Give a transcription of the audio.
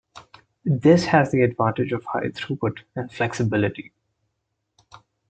This has the advantage of higher throughput and flexibility.